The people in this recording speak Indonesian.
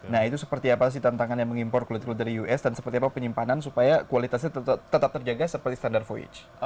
nah itu seperti apa sih tantangannya mengimpor kulit kulit dari us dan seperti apa penyimpanan supaya kualitasnya tetap terjaga seperti standar voyage